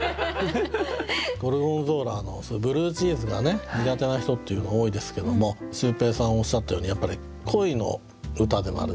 ゴルゴンゾーラのブルーチーズがね苦手な人っていうの多いですけどもシュウペイさんおっしゃったように恋の歌でもあるんですよね。